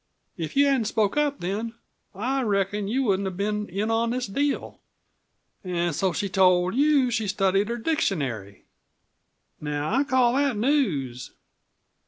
"If you hadn't spoke up then, I reckon you wouldn't have been in on this deal. An' so she told you she'd studied her dictionary! Now, I'd call that news.